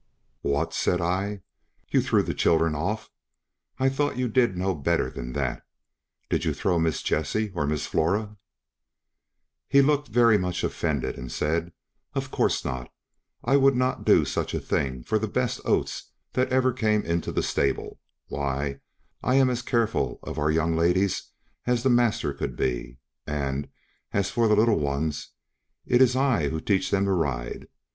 "What?" said I, "you threw the children off? I thought you did know better than that! Did you throw Miss Jessie or Miss Flora?" He looked very much offended, and said: "Of course not; I would not do such a thing for the best oats that ever came into the stable; why, I am as careful of our young ladies as the master could be, and as for the little ones, it is I who teach them to ride.